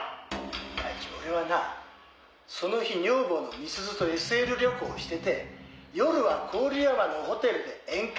第一俺はなその日女房の美鈴とＳＬ旅行してて夜は郡山のホテルで宴会。